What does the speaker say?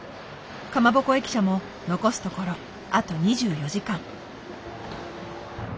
カマボコ駅舎も残すところあと２４時間。